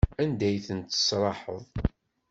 Anda ay ten-tesraḥeḍ?